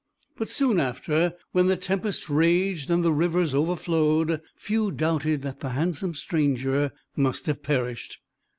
But soon after, when the tempest raged and the rivers overflowed, few doubted that the handsome stranger must have perished.